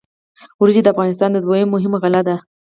وریجې د افغانستان دویمه مهمه غله ده.